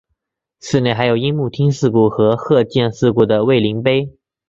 寺内还有樱木町事故和鹤见事故的慰灵碑。